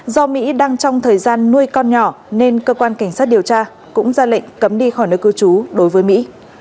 do mỹ đang trong thời gian nuôi con nhỏ nên cơ quan cảnh sát điều tra cũng ra lệnh cấm đi khỏi nơi cư trú đối với mỹ